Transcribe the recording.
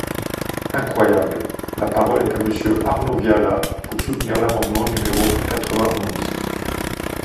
Incroyable ! La parole est à Monsieur Arnaud Viala, pour soutenir l’amendement numéro quatre-vingt-onze.